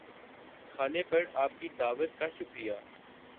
کھانے پر آپ کی دعوت کا شکریہ